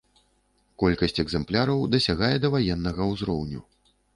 Колькасць экзэмпляраў дасягае даваеннага ўзроўню.